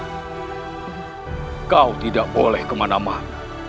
ayah anda kau tidak boleh kemana mana